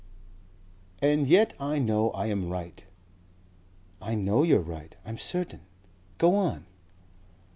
"And yet I know I am right." "I know you are right. I'm certain. Go on.